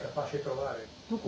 どこ？